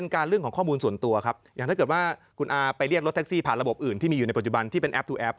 อย่างถ้าเกิดว่าคุณอาไปเรียกรถแท็กซี่ผ่านระบบอื่นที่มีอยู่ในปัจจุบันที่เป็นแอปทูแอป